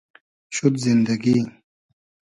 شود زیندئگی